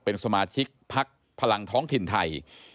เป็นสมาชิกพักพลังท้องถิ่นไทย